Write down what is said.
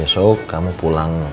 besok kamu pulang